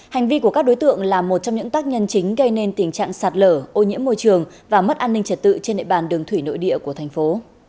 hành vi của các đối tượng là một trong những tác nhân chính gây nên tình trạng sạt lở ô nhiễm môi trường và mất an ninh trật tự trên địa bàn đường thủy nội địa của thành phố